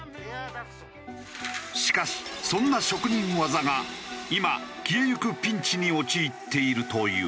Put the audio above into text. しかしそんな職人技が今消えゆくピンチに陥っているという。